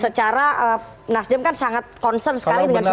secara nasdem kan sangat concern sekali dengan suara nu